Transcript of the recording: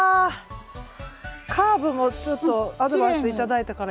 カーブもちょっとアドバイス頂いたから。